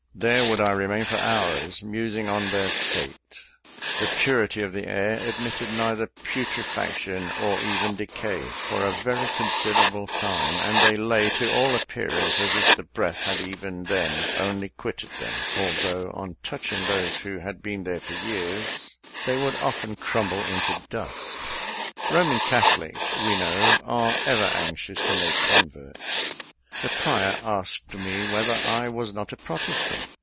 There would I remain for hours, musing on their fate: the purity of the air admitted neither putrefaction, or even decay, for a very considerable time; and they lay, to all appearance, as if the breath had even then only quitted them, although, on touching those who had been there for years, they would often crumble into dust. Roman Catholics, we know, are ever anxious to make converts. The prior asked me whether I was not a protestant?